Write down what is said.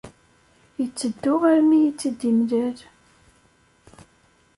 Itteddu armi i tt-id-imlal.